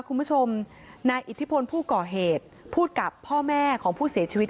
คุณผู้ชมนายอิทธิพลผู้ก่อเหตุพูดกับพ่อแม่ของผู้เสียชีวิต